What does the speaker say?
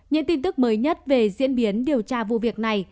những tin tức mới nhất về diễn biến điều tra vụ việc này